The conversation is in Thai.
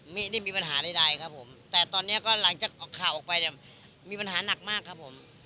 ไม่ได้มีปัญหาใดครับผมแต่ตอนนี้ก็หลังจากออกข่าวออกไปเนี่ยมีปัญหาหนักมากครับผม